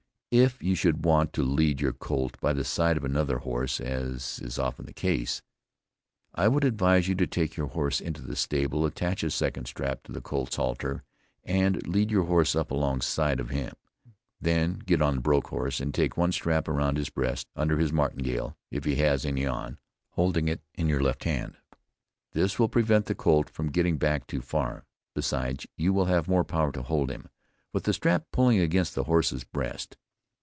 If you should want to lead your colt by the side of another horse, as is often the case, I would advise you to take your horse into the stable, attach a second strap to the colt's halter, and lead your horse up alongside of him. Then get on the broke horse and take one strap around his breast, under his martingale, (if he has any on,) holding it in your left hand. This will prevent the colt from getting back too far; besides, you will have more power to hold him, with the strap pulling against the horse's breast.